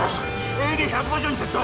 ＡＥＤ１５０にセット